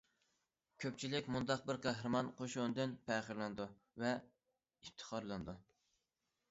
كۆپچىلىك مۇنداق بىر قەھرىمان قوشۇندىن پەخىرلىنىدۇ ۋە ئىپتىخارلىنىدۇ.